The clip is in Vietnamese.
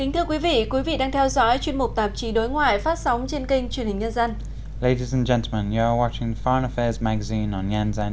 thưa quý vị quý vị đang theo dõi chuyên mục tạp chí đối ngoại phát sóng trên kênh truyền hình nhân dân